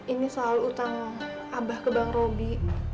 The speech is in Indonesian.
ini soal utang abah ke bang roby